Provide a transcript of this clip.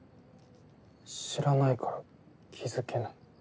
知らないから気付けない。